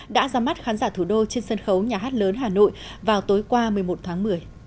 đã ra mắt khán giả thủ đô trên sân khấu nhà hát lớn hà nội vào tối qua một mươi một tháng một mươi